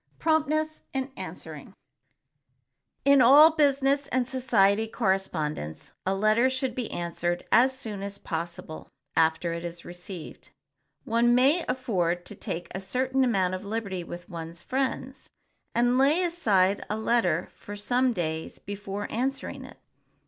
[Sidenote: PROMPTNESS IN ANSWERING] In all business and society correspondence a letter should be answered as soon as possible after it is received. One may afford to take a certain amount of liberty with one's friends, and lay aside a letter for some days before answering it.